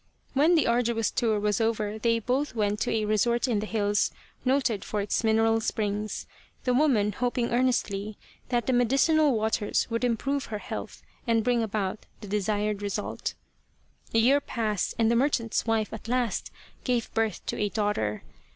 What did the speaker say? When the arduous tour was over they both went to a resort in the hills noted for its mineral springs, the woman hoping earnestly that the medicinal waters would improve her health and bring about the desired result. A year passed and the merchant's wife at last gave birth to a daughter.